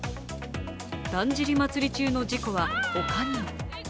だんじり祭中の事故は、他にも。